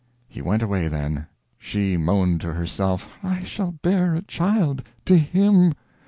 He went away then. She moaned to herself: "I shall bear a child to him!